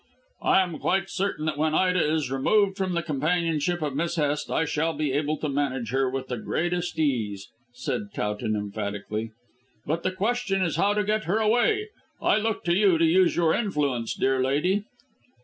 "I am quite certain that when Ida is removed from the companionship of Miss Hest I shall be able to manage her with the greatest ease," said Towton emphatically; "but the question is how to get her away. I look to you to use your influence, dear lady."